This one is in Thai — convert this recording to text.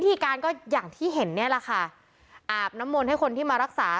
วิธีการก็อย่างที่เห็นเนี่ยแหละค่ะอาบน้ำมนต์ให้คนที่มารักษา